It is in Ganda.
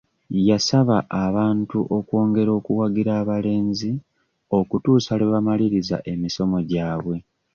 Yasaba abantu okwongera okuwagira abalenzi okutuusa lwe bamaliriza emisomo gyabwe.